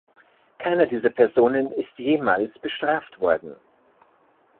Keiner dieser Personen ist jemals bestraft worden.